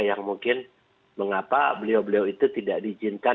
yang mungkin mengapa beliau beliau itu tidak diizinkan